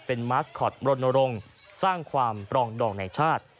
เป็นมาสคอตรณรงค์สร้างความปรองดองในชาติ